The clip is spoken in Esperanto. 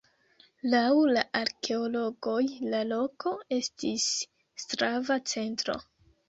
Laŭ arkeologoj la loko estis slava centro.